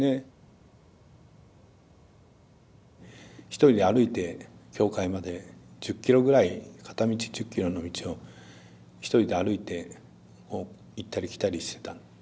一人で歩いて教会まで１０キロぐらい片道１０キロの道を一人で歩いて行ったり来たりしてた。